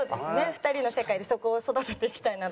２人の世界でそこを育てていきたいなと。